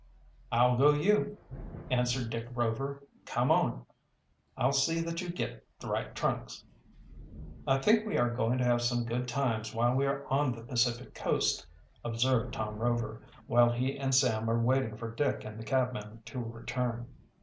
"I'll go you," answered Dick Rover. "Come on, I'll see that you get the right trunks." "I think we are going to have some good times while we are on the Pacific coast," observed Tom Rover, while he and Sam were waiting for Dick and the cabman to return.